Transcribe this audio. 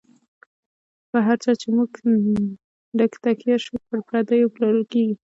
په هر چا چی مو نږ تکیه شو، پر پردیو پلورل کیږی